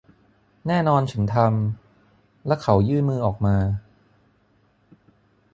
แน่นอนฉันทำ และเขายื่นมือออกมา